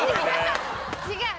違う。